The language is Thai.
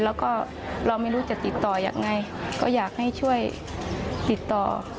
แล้วก็เราไม่รู้จะติดต่อยังไงก็อยากให้ช่วยติดต่อ